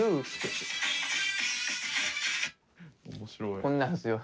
こんなんすよ。